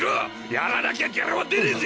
やらなきゃギャラは出ねえぜ！